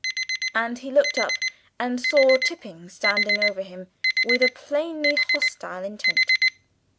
And he looked up and saw Tipping standing over him with a plainly hostile intent.